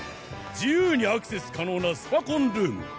自由にアクセス可能なスパコンルーム。